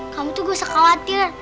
kamu tuh gak usah khawatir